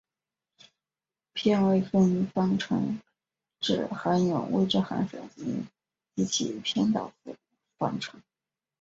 偏微分方程指含有未知函数及其偏导数的方程。